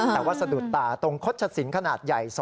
แต่ว่าสะดุดตาตรงคดชสินขนาดใหญ่